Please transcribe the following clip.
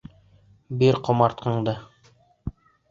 Бир ҡомартҡыңды!